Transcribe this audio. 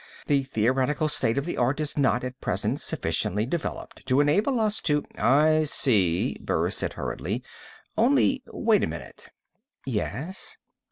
The theoretical state of the art is not, at present, sufficiently developed to enable us to " "I see," Burris said hurriedly. "Only wait a minute." "Yes?"